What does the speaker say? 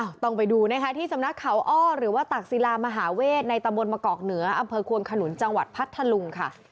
ต้องไปดูนะคะที่สำนักเขาอ้อหรือว่าตักศิลามหาเวทในตำบลมะกอกเหนืออำเภอควนขนุนจังหวัดพัทธลุงค่ะ